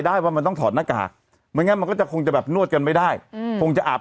แต่พี่สัมภาษณ์ใน๓สตาบ